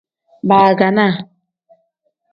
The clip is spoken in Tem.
Baaganaa.